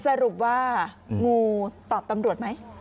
สรุปว่างูตอบตำรวจไหม